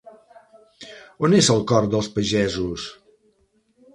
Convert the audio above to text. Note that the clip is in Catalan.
On és el cor dels pagesos?